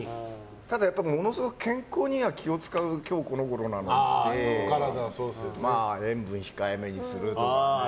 ただやっぱりものすごく健康には気を遣う今日このごろなので塩分控えめにするとか。